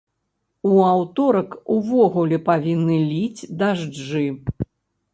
У аўторак увогуле павінны ліць дажджы!